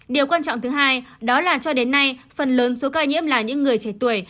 điều quan trọng thứ hai đó là cho đến nay phần lớn số ca nhiễm là những người trẻ tuổi